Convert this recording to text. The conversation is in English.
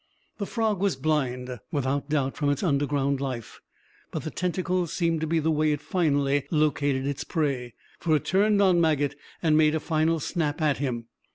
The frog was blind, without doubt, from its underground life, but the tentacles seemed to be the way it finally located its prey, for it turned on Maget and made a final snap at him.